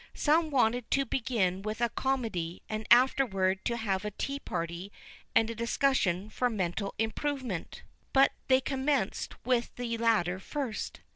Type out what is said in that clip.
Some wanted to begin with a comedy, and afterward to have a tea party and a discussion for mental improvement, but they commenced with the latter first.